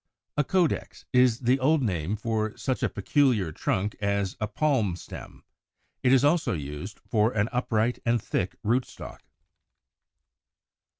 93. =A Caudex= is the old name for such a peculiar trunk as a Palm stem; it is also used for an upright and thick rootstock.